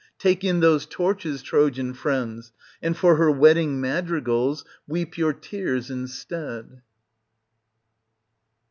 Take in those torches, Trojan friends, and for her wedding madrigals weep your tears instead.